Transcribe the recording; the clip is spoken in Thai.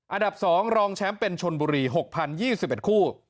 อันดับ๒รองแชมป์เป็นชนบุรี๖๐๒๑คู่